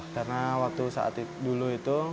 karena waktu dulu itu